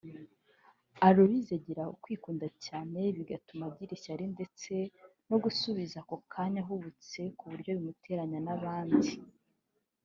Aloys agira ukwikunda cyane bigatuma agira ishyari ndetse no gusubiza ako kanya ahubutse ku buryo bimuteranya n’abandi